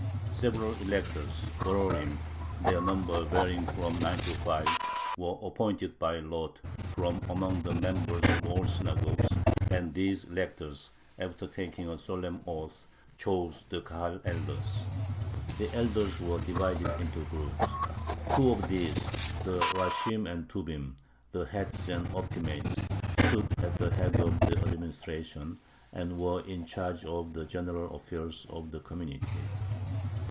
Several electors (borerim), their number varying from nine to five, were appointed by lot from among the members of all synagogues, and these electors, after taking a solemn oath, chose the Kahal elders. The elders were divided into groups. Two of these, the rashim and tubim (the "heads" and "optimates"), stood at the head of the administration, and were in charge of the general affairs of the community.